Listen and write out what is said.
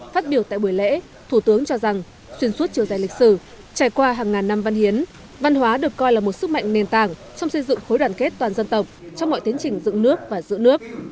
phát biểu tại buổi lễ thủ tướng cho rằng xuyên suốt chiều dài lịch sử trải qua hàng ngàn năm văn hiến văn hóa được coi là một sức mạnh nền tảng trong xây dựng khối đoàn kết toàn dân tộc trong mọi tiến trình dựng nước và giữ nước